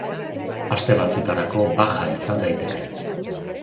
Aste batzutarako baja izan daiteke.